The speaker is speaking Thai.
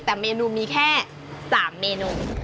แต่เมนูมีแค่๓เมนู